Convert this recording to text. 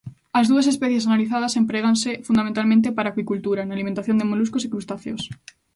As dúas especies analizadas empréganse fundamentalmente para acuicultura, na alimentación de moluscos e crustáceos.